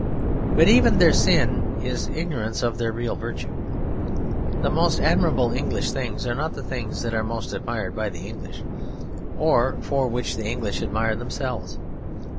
But even their sin is ignorance of their real virtue. The most admirable English things are not the things that are most admired by the English, or for which the English admire themselves.